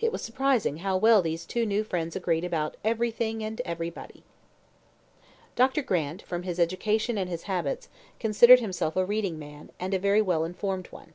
It was surprising how well these two new friends agreed about everything and everybody. Dr. Grant, from his education and his habits, considered himself a reading man, and a very well informed one.